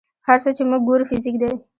هر څه چې موږ ګورو فزیک دی.